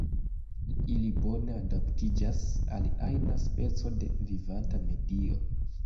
Ili bone adaptiĝas al ajna speco de vivanta medio.